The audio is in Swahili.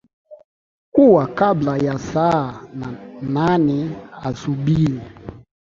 kuwa kabla ya saa na nne asubuhi